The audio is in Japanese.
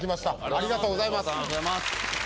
ありがとうございます。